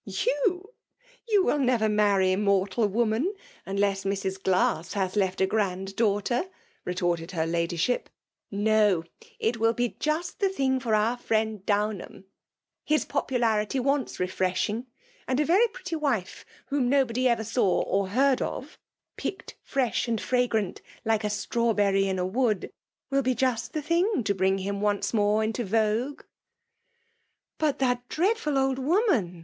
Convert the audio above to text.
"You? — You will never maiTy mortal woman, unless Mrs. Glasse has left a grand daugh ,terr' retorted her Ladyship. "No! — it will <(€€ 270 FEMALE DOUINATION. be just the thing for our friend Dovnhatn. His popularity wants refireshing' ; and a Tery pretty wife, whom nobody ever saw or betfd of, — picked fresh and fragrant^ like a straw berry in a wood, — ^will be just the thing to bring him once more into vogue." " But that dreadful old woman